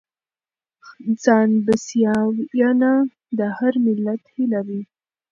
ځانبسیاینه د هر ملت هیله وي.